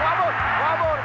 フォアボール。